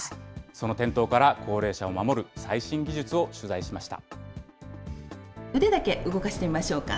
その転倒から高齢者を守る最新技術を取材しました。